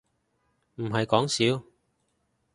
唔係講笑